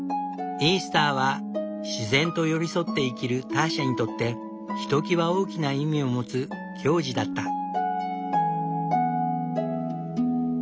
イースターは自然と寄り添って生きるターシャにとってひときわ大きな意味を持つ行事だった。